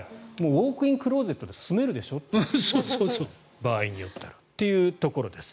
ウォークインクローゼットで住めるでしょという場合によったらというところです。